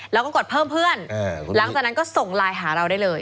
แล้วก็กดเพิ่มเพื่อนหลังจากนั้นก็ส่งไลน์หาเราได้เลย